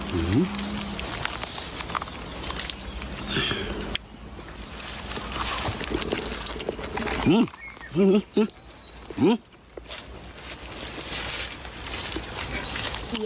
หึหื้อหื้อ